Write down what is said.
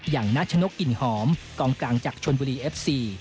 อย่างนัชนกินหอมกองกลางจากชนบุรีเอฟซี